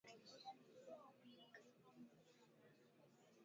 Kwa hivyo sasa anageukia mkakati wa kuweka taka kwenye vituo vya watu